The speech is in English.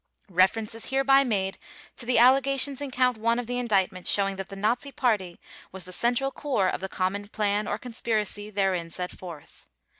Reference is hereby made to the allegations in Count One of the Indictment showing that the Nazi Party was the central core of the common plan or conspiracy therein set forth.